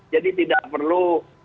jadi tidak perlu